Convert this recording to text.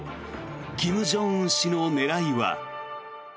金正恩氏の狙いは。